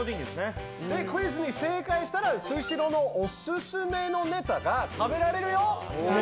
でクイズに正解したらスシローのお薦めのねたが食べられるよ。